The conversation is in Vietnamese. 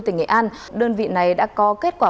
tỉnh nghệ an đơn vị này đã có kết quả